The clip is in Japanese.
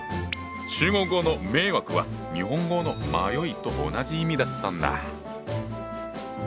中国語の「迷惑」は日本語の「迷い」と同じ意味だったんだ。